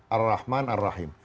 ar rahman dan ar rahman